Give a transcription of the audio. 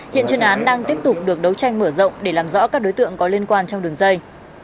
hiện chuyên án đang tiếp tục được đấu tranh mở rộng để làm rõ các đối tượng có liên quan trong đường dây